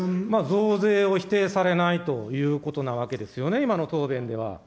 増税を否定されないということなわけですよね、今の答弁では。